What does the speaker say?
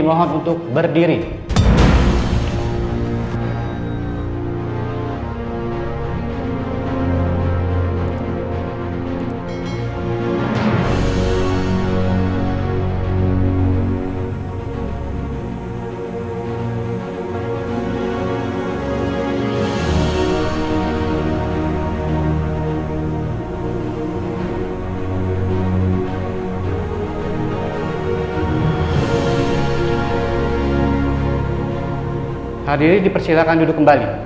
ruang sidang tersebut